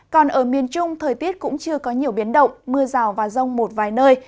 còn ở miền trung thời tiết cũng chưa có nhiều biến động mưa rào và rông một vài nơi